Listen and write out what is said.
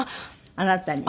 あなたに。